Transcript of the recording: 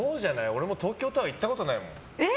俺も東京タワー行ったことない。